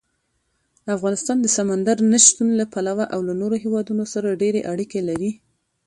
افغانستان د سمندر نه شتون له پلوه له نورو هېوادونو سره ډېرې اړیکې لري.